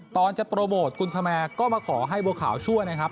ตอนจะโปรโมทคุณธแมร์ก็มาขอให้บัวขาวช่วยนะครับ